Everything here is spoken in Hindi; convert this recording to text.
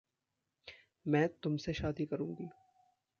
मैं तुम से शादी करूंगी।